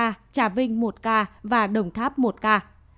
trà vinh một ca và đồng tháp một ca